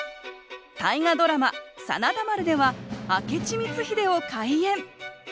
大河ドラマ「真田丸」では明智光秀を怪演。